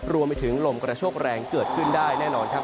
รวมไปถึงลมกระโชคแรงเกิดขึ้นได้แน่นอนครับ